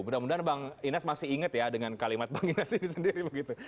mudah mudahan bang inas masih ingat ya dengan kalimat bang inas ini sendiri begitu